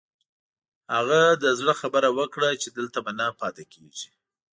هغه د زړه خبره وکړه چې دلته به نه پاتې کېږي.